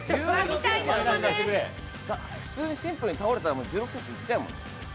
普通にシンプルに倒れたら１６ｃｍいっちゃうもんね。